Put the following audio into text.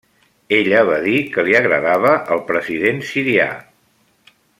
Ella va dir que li agradava el president sirià.